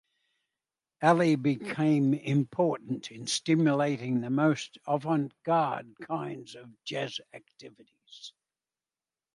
Ali "became important in stimulating the most avant-garde kinds of jazz activities".